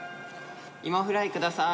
芋フライください。